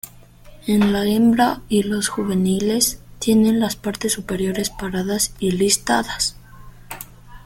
En la hembra y los juveniles tienen las partes superiores pardas y listadas.